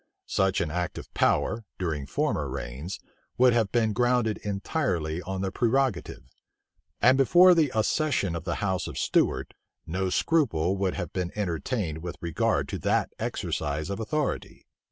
Such an act of power, during former reigns, would have been grounded entirely on the prerogative; and before the accession of the house of Stuart, no scruple would have been entertained with regard to that exercise of authority.